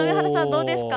どうですか。